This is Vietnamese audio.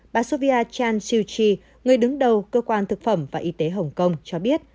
bà sophia chan siu chi người đứng đầu cơ quan thực phẩm và y tế hồng kông cho biết